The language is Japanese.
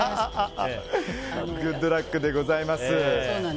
グッドラックでございます。